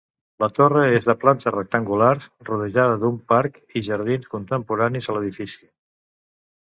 La torre és de planta rectangular rodejada d'un parc i jardins contemporanis a l'edifici.